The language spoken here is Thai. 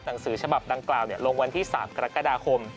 หนังสือฉบับดังกล่าวลงวันที่๓กรกฎาคม